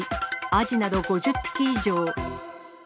アジなど５０匹以上。